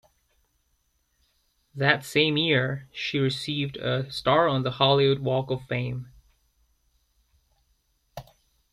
That same year, she received a star on the Hollywood Walk of Fame.